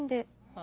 あ。